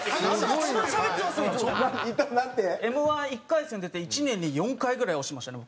Ｍ−１１回戦出て１年で４回ぐらい落ちましたね